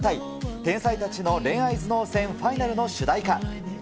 天才たちの恋愛頭脳戦ファイナルの主題歌。